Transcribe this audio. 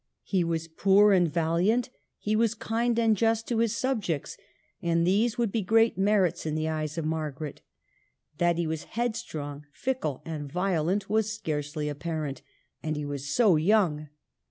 He was poor and valiant, he was kind and just to his subjects ; and these would be great merits in the eyes of Margaret. That he was head strong, fickle, and violent was scarcely apparent ; and he was so young.